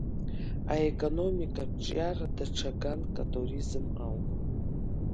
Аекономикатә ҿиара даҽа ганк атуризм ауп.